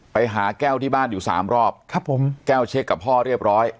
ไปหาแก้วที่บ้านอยู่สามรอบครับผมแก้วเช็คกับพ่อเรียบร้อย